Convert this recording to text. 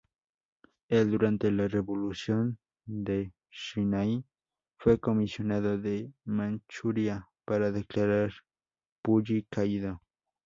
El durante la Revolución de Xinhai fue comisionado a Manchuria para declarar Puyi caído.